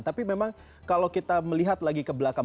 tapi memang kalau kita melihat lagi ke belakang